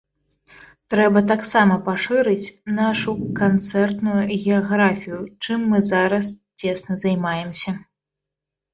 Трэба таксама пашырыць нашу канцэртую геаграфію, чым мы зараз цесна займаемся.